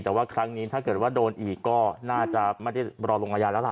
แต่ว่าครั้งนี้ถ้าเกิดว่าโดนอีกก็น่าจะไม่ได้รอลงอาญาแล้วล่ะ